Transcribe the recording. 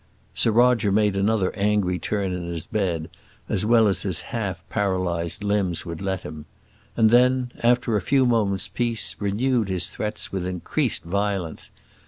Sir Roger made another angry turn in his bed as well as his half paralysed limbs would let him; and then, after a few moments' peace, renewed his threats with increased violence.